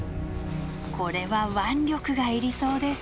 これは腕力がいりそうです。